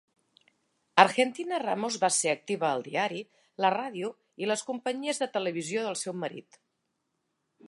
Argentina Ramos va ser activa al diari, la ràdio i les companyies de televisió del seu marit.